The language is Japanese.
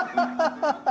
ハハハハ！